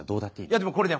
いやでもこれね